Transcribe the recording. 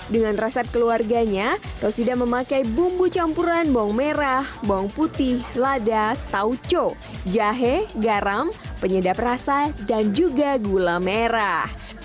dengan resep keluarganya rosida memakai bumbu campuran bawang merah bawang putih lada tauco jahe garam penyedap rasa dan juga gula merah